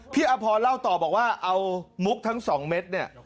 อพรเล่าต่อบอกว่าเอามุกทั้ง๒เม็ดเนี่ย